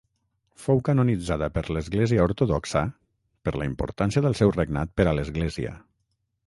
Fou canonitzada per l'Església ortodoxa, per la importància del seu regnat per a l'Església.